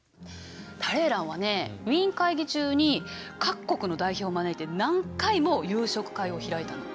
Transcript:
タレーランはねウィーン会議中に各国の代表を招いて何回も夕食会を開いたの。